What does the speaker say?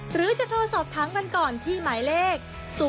หรือจะโทรสอบทั้งวันก่อนที่หมายเลข๐๘๑๐๙๗๙๙๘๕